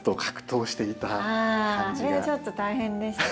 あれはちょっと大変でしたね。